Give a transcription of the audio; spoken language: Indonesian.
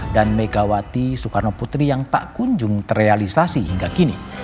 dan megawati soekarno putri yang tak kunjung terrealisasi hingga kini